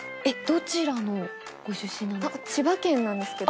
どちらのご出身なんですか？